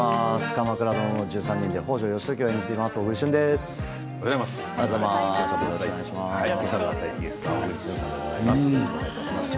「鎌倉殿の１３人」で北条義時を演じています